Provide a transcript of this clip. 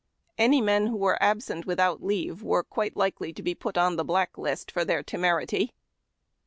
Any men who were absent without leave were quite likely to be put on the Black List for their temerity.